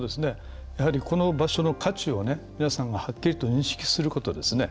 やはりこの場所の価値を皆さんがはっきりと認識することですね。